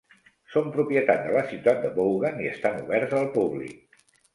Són propietat de la ciutat de Vaughan i estan oberts al públic.